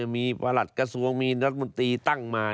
มีประหลัดกระทรวงมีรัฐมนตรีตั้งมา